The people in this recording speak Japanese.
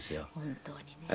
本当にね。